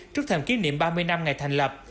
trước thềm kỷ niệm ba mươi năm ngày thành lập